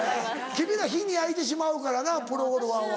君ら日に焼いてしまうからなプロゴルファーは。